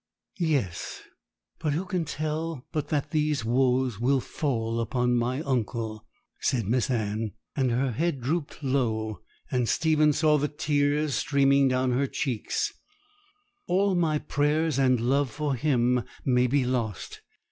'Yes, who can tell but that these woes will fall upon my uncle,' said Miss Anne, and her head drooped low, and Stephen saw the tears streaming down her cheeks; 'all my prayers and love for him may be lost.